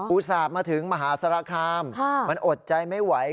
ส่าห์มาถึงมหาสารคามมันอดใจไม่ไหว